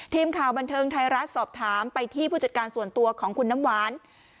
ทีมข่าวบันเทิงไทยรัฐสอบถามไปที่ผู้จัดการส่วนตัวของคุณน้ำหวาน